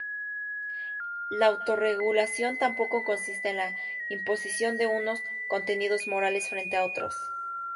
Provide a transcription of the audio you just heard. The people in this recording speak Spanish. La autorregulación tampoco consiste en la imposición de unos contenidos morales frente a otros.